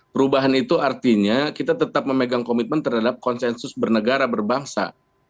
perubahan itu artinya kita tetap memegang komitmen terhadap konsensus bernegara berbangsa